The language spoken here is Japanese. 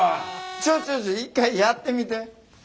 ちょっとちょっと一回やってみて。